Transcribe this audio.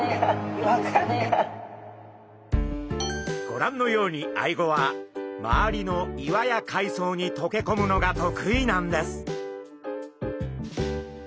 ご覧のようにアイゴは周りの岩や海藻に溶け込むのが得意なんです。